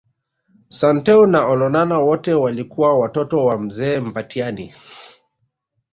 Santeu na Olonana wote walikuwa Watoto wa mzee Mbatiany